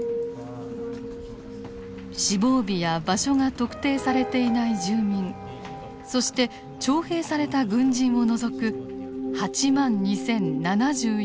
死亡日や場所が特定されていない住民そして徴兵された軍人を除く８万２，０７４人分を抽出。